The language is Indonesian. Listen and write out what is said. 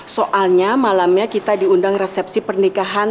soalnya malamnya kita diundang resepsi pernikahan